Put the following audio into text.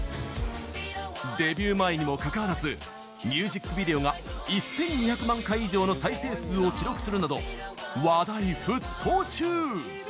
デビュー前にもかかわらずミュージックビデオが１２００万回以上の再生数を記録するなど話題沸騰中！